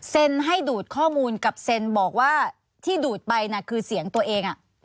ให้ดูดข้อมูลกับเซ็นบอกว่าที่ดูดไปคือเสียงตัวเอง